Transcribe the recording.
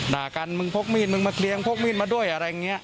ด่ากันมึงพกมีดมึงมาเคลียร์พกมีดมาด้วยอะไรอย่างนี้